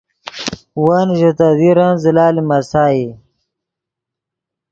ون ژے تے دیرن زلہ لیمَسائی